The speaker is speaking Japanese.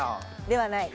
ではない。